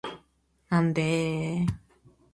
なんでーーー